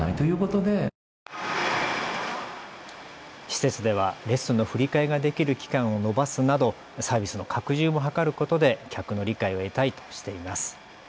施設ではレッスンの振り替えができる期間を延ばすなどサービスの拡充も図ることで客の理解を得たいとしています。